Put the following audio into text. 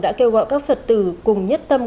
đã kêu gọi các phật tử cùng nhất tâm